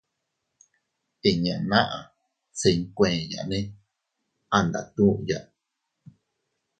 Inña naʼa se iykueyane a ndatuya.